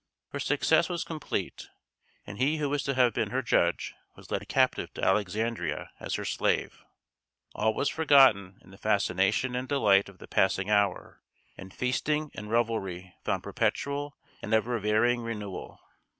Her success was complete; and he who was to have been her judge, was led captive to Alexandria as her slave. All was forgotten in the fascination and delight of the passing hour; and feasting and revelry found perpetual and ever varying renewal.